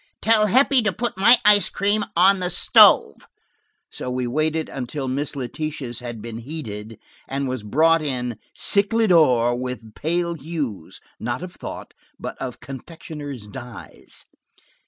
Tell Heppie to put my ice cream on the stove." So we waited until Miss Letitia's had been heated, and was brought in, sicklied over with pale hues, not of thought, but of confectioners' dyes.